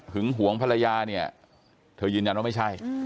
หึงหวงภรรยาเธอยืนยันว่าไม่ใช่